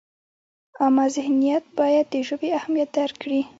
عامه ذهنیت باید د ژبې اهمیت درک کړي.